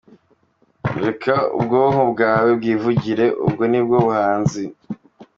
Reka ubwonko bwawe bwivugire, ubwo nibwo buhanzi.